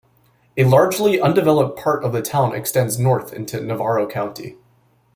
A largely undeveloped part of the town extends north into Navarro County.